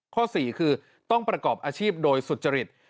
ข้อ๔คือต้องประกอบอาชีพโดยสุจริต